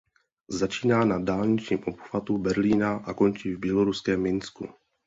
Začíná na dálničním obchvatu Berlína a končí v běloruském Minsku.